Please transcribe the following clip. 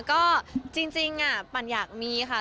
ก็จริงปั่นอยากมีค่ะ